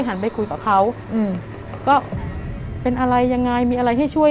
หึหึหึหึ